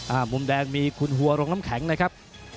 มุมแดงมีคุณหัวโรงน้ำแข็งนะครับ